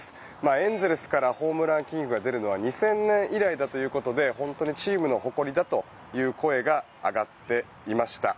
エンゼルスからホームランキングが出るのは２０００年以来だということで本当にチームの誇りだという声が上がっていました。